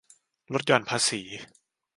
ลดหย่อนภาษี